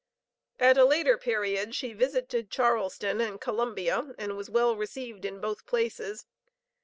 At a later period she visited Charleston and Columbia, and was well received in both places.